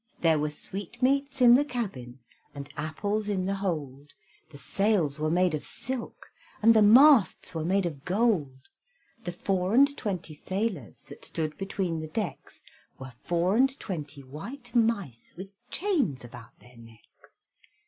There were sweetmeats in the cabin, And apples in the hold; The sails were made of silk, And the masts were made of gold. The four and twenty sailors That stood between the decks, Were four and twenty white mice. With chains about their necks.